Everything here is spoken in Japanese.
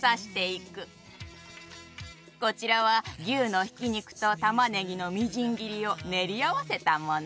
こちらは牛のひき肉とたまねぎのみじん切りを練り合わせたもの。